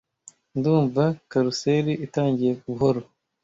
Ndumva karuseli itangiye buhoro